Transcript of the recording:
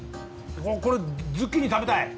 これズッキーニ食べたい。